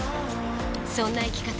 そんな生き方